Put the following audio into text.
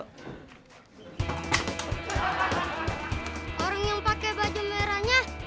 orang yang pakai baju merahnya